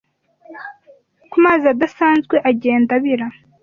ku mazi adasanzwe agenda abira